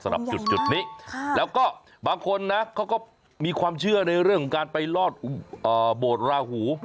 สำหรับจุดนี้แล้วก็บางคนนะเขาก็มีความเชื่อในเรื่องของการไปลอดโบสถราหู